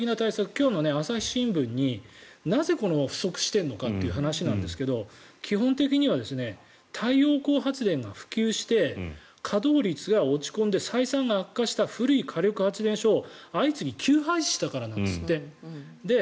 今日の朝日新聞になぜ不足してるのかって話なんですけど基本的には、太陽光発電普及して稼働率が落ち込んで採算が悪化した古い火力発電所を相次いで休廃止したからなんですって。